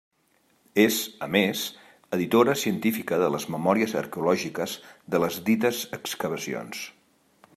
És, a més, editora científica de les memòries arqueològiques de les dites excavacions.